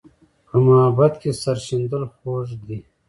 په محبت کې سر شیندل خوږ دي.